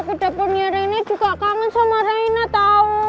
kuda poni reina juga kangen sama reina tau